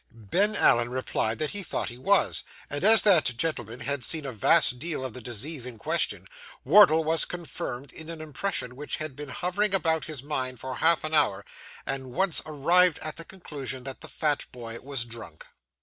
Ben Allen replied that he thought he was; and, as that gentleman had seen a vast deal of the disease in question, Wardle was confirmed in an impression which had been hovering about his mind for half an hour, and at once arrived at the conclusion that the fat boy was drunk.